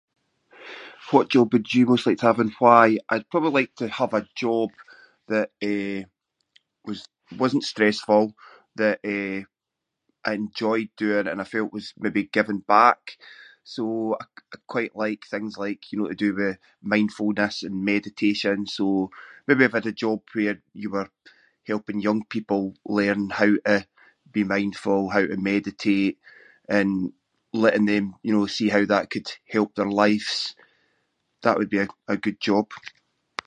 What job would you most like to have and why? I’d probably like to have a job that, eh, was- wasn’t stressful, that, eh, I enjoy doing and I felt was maybe giving back, so I- I quite like things like, you know, to do with mindfulness and meditation, so maybe if I had a job where you were helping young people learn how to be mindful, how to meditate and letting them, you know, see how that could help their lives- that would be a good job.